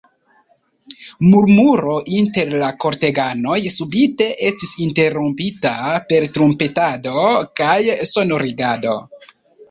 Murmuro inter la korteganoj subite estis interrompita per trumpetado kaj sonorigado.